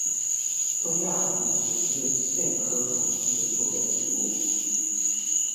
中亚虫实是苋科虫实属的植物。